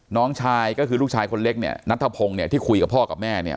น้องชายก็คือลูกชายคนเล็กเนี่ยนัทธพงศ์เนี่ยที่คุยกับพ่อกับแม่เนี่ย